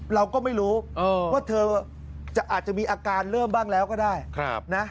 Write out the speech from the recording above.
เราก็ไม่รู้ว่าเธออาจจะมีอาการเริ่มบ้างแล้วก็ได้นะ